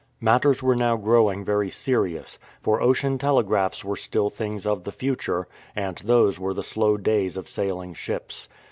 Matters were now growing very serious, for ocean telegraphs were still things of the future, and those were the slow days of sailing ships.